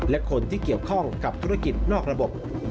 และคนที่เกี่ยวข้องกับธุรกิจนอกระบบ